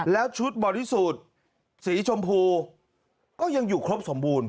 แล้วชุดบอดี้สูตรสีชมพูก็ยังอยู่ครบสมบูรณ